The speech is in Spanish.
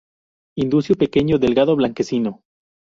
Indusio pequeño, delgado, blanquecino.